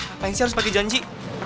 apa yang sih harus pakai janji